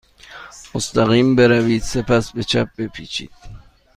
مستقیم بروید. سپس به چپ بپیچید.